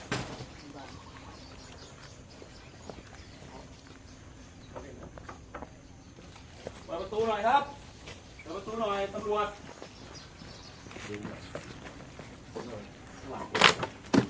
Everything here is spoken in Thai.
สำรวจสำรวจเปิดประตูหน่อยเข้าพังประตูทุกประตู